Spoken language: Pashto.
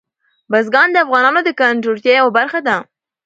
بزګان د افغانانو د ګټورتیا یوه برخه ده.